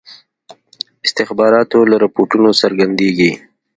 استخباراتو له رپوټونو څرګندیږي.